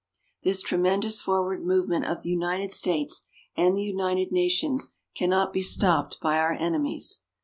This tremendous forward movement of the United States and the United Nations cannot be stopped by our enemies.